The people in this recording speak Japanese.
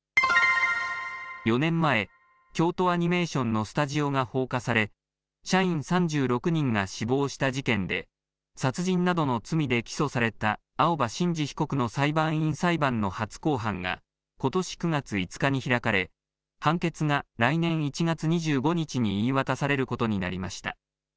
４年前、京都アニメーションのスタジオが放火され、社員３６人が死亡した事件で、殺人などの罪で起訴された青葉真司被告の裁判員裁判の初公判が、ことし９月５日に開かれ、判決が来年１月２５日に言い渡されることになりました。